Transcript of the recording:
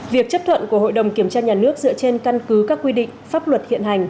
việc chấp thuận của hội đồng kiểm tra nhà nước dựa trên căn cứ các quy định pháp luật hiện hành